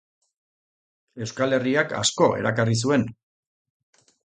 Euskal Herriak asko erakarri zuen.